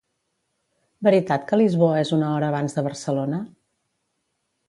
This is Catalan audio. Veritat que Lisboa és una hora abans de Barcelona?